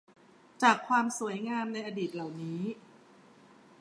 จากความสวยงามในอดีตเหล่านี้